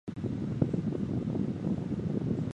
奠定其在香港乐坛上举足轻重的地位。